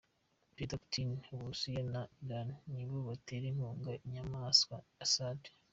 Perezida Putin, u Burusiya na Iran ni bo batera inkunga inyamaswa Assad.